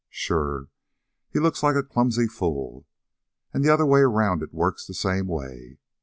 Sure! He looks like a clumsy fool. And the other way around it works the same way.